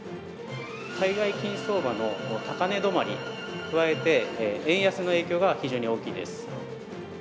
海外金相場の高値止まりに加えて、円安の影響が非常に大きいです。